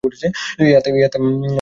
এই আত্মাই মানুষের অন্তরে যথার্থ মানুষ।